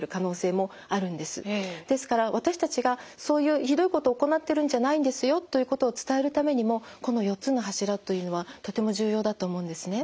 ですから私たちがそういうひどいことを行ってるんじゃないんですよということを伝えるためにもこの４つの柱というのはとても重要だと思うんですね。